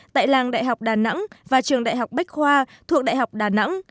tại làng đại học đà nẵng và trường đại học bách khoa thuộc đại học đà nẵng